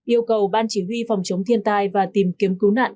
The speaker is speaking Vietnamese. yêu cầu ban chỉ huy phòng chống thiên tai và tìm kiếm cứu nạn